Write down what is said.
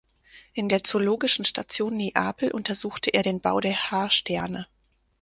In der Zoologischen Station Neapel untersuchte er den Bau der Haarsterne.